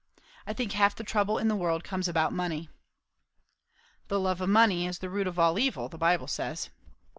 I think half the trouble in the world comes about money." "'The love of money is the root of all evil,' the Bible says."